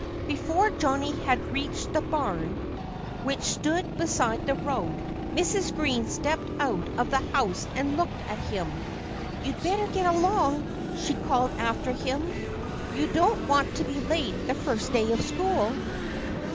Before Johnnie had reached the barn, which stood beside the road, Mrs. Green stepped out of the house and looked at him. "You'd better get along!" she called after him. "You don't want to be late the first day of school!"